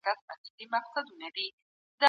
ما تاسي ته یو پښتو ډک پېغام ولیکی.